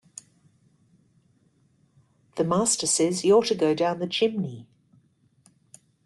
The master says you’re to go down the chimney!